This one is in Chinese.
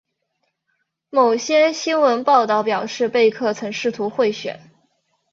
某些新闻报道表示贝克曾试图贿选。